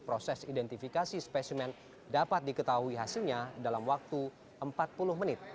proses identifikasi spesimen dapat diketahui hasilnya dalam waktu empat puluh menit